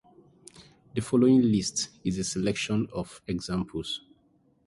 The following list is a selection of examples.